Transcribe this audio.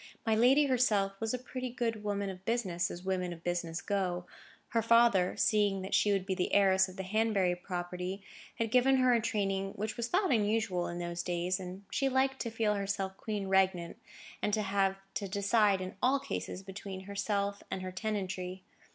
My lady herself was a pretty good woman of business, as women of business go. Her father, seeing that she would be the heiress of the Hanbury property, had given her a training which was thought unusual in those days, and she liked to feel herself queen regnant, and to have to decide in all cases between herself and her tenantry.